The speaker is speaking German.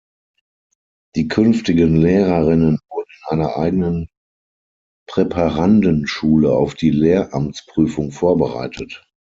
Die künftigen Lehrerinnen wurden in einer eigenen Präparandenschule auf die Lehramtsprüfung vorbereitet.